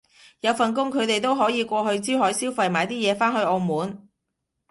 有份工，佢哋都可以過去珠海消費買啲嘢返去澳門